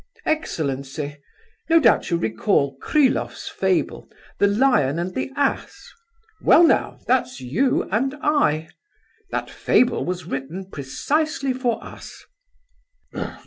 Excellency, no doubt you recollect Kryloff's fable, 'The Lion and the Ass'? Well now, that's you and I. That fable was written precisely for us."